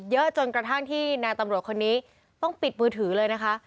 เยอะจนกระทั่งที่นายตำรวจคนนี้ต้องปิดมือถือเลยนะคะ